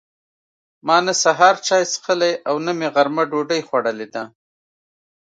ما نه سهار چای څښلي او نه مې غرمه ډوډۍ خوړلې ده.